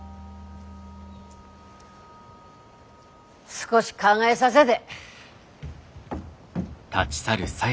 少し考えさせで。